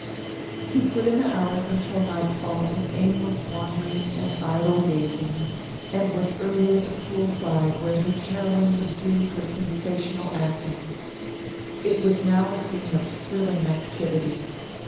He put in the hours until nightfall in aimless wandering and idle gazing, and was early at the pool side where his heroine would do her sensational acting. It was now a scene of thrilling activity.